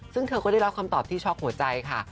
ซึ่งเธอก็ได้รับคำตอบที่ช็อกหัวใจค่ะ